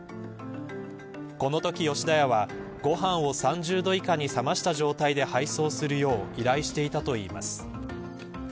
このとき吉田屋はご飯を３０度以下に冷ました状態で配送するよう依頼していたといいます。